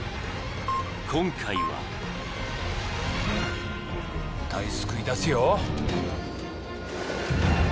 今回は絶対救い出すよ。